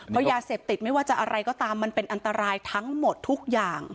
เพราะยาเสพติดไม่ว่าจะอะไรก็ตามมันเป็นอันตรายทั้งหมดทุกอย่าง